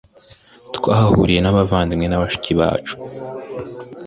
twahahuriye n abavandimwe na bashiki bacu